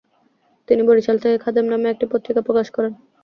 তিনি বরিশাল থেকে খাদেম নামে একটি পত্রিকা প্রকাশ করেন।